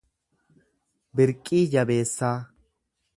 Birqii Jabeessaa